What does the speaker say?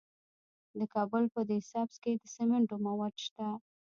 د کابل په ده سبز کې د سمنټو مواد شته.